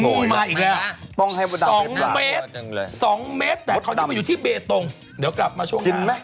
งูมาอีกแล้ว๒เมตรแต่เขาได้มาอยู่ที่เบตรงเดี๋ยวกลับมาช่วงหน้า